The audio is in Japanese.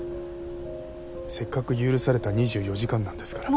せっかく許された２４時間なんですから。